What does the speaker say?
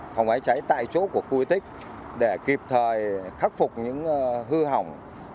phòng cháy chữa cháy tại chỗ của khu di tích để kịp thời khắc phục những hư hỏng